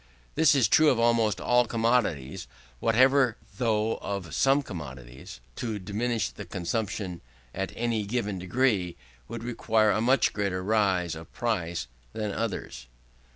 This is true of almost all commodities whatever: though of some commodities, to diminish the consumption in any given degree would require a much greater rise of price than of others.